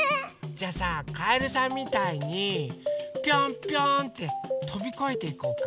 じゃあさかえるさんみたいにぴょんぴょんってとびこえていこうか？